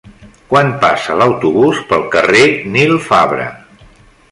Quan passa l'autobús pel carrer Nil Fabra?